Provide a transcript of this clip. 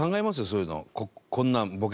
そういうの。